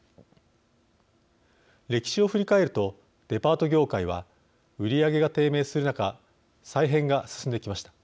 歴史を振り返るとデパート業界は売り上げが低迷する中再編が進んできました。